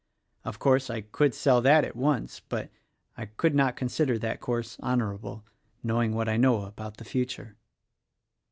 Of course, I could sell that at once; but I could not consider that course honorable — knowing what I know about the future."